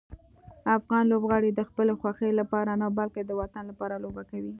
افغان لوبغاړي د خپلې خوښۍ لپاره نه، بلکې د وطن لپاره لوبه کوي.